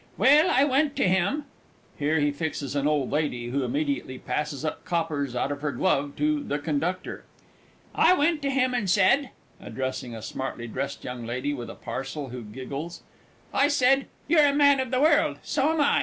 Well, I went to him (here he fixes an old Lady, who immediately passes up coppers out of her glove to the CONDUCTOR) I went to him, and said (addressing a smartly dressed young Lady with a parcel who giggles) I said, "You're a man of the world so am I.